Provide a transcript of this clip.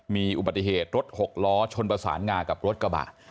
มีอุบัติเหตุรถหกล้อชนประสานงากับรถกระบะ